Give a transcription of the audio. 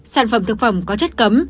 sản phẩm thực phẩm có chất cấm